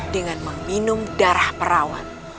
dengan meminum darah perawat